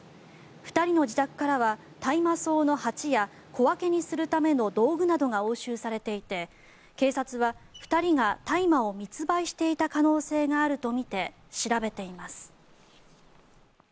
２人の自宅からは大麻草の鉢や小分けにするための道具などが押収されていて警察は、２人が大麻を密売していた可能性があるとみて調べています。